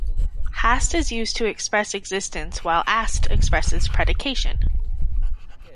"Hast" is used to express existence while "ast" expresses predication.